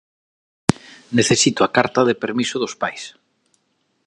Necesito a carta de permiso dos pais.